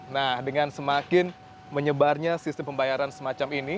nah dengan semakin menyebarnya sistem pembayaran semacam ini